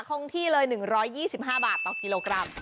คงที่เลย๑๒๕บาทต่อกิโลกรัม